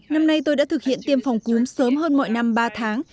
năm nay tôi đã thực hiện tiêm phòng cúm sớm hơn mọi năm ba tháng